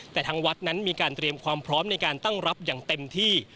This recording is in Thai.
แต่ทางวัดนั้นมีการเตรียมความพร้อมในการตั้งรับอย่างเต็มที่